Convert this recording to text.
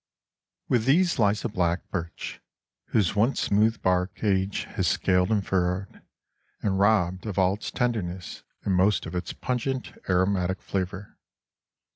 With these lies a black birch, whose once smooth bark age has scaled and furrowed, and robbed of all its tenderness and most of its pungent, aromatic flavor.